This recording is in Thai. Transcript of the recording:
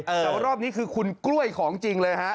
แต่ว่ารอบนี้คือคุณกล้วยของจริงเลยฮะ